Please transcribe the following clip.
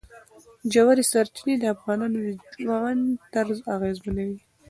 ژورې سرچینې د افغانانو د ژوند طرز اغېزمنوي.